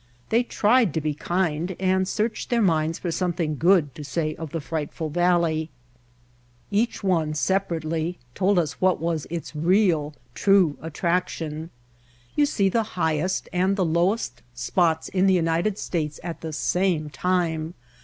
They tried to be kind and searched their minds for something good to say of the frightful valley. White Heart of Mojave Each one separately told us what was its real, true attraction. "You see the highest and the lowest spots in the United States at the same time.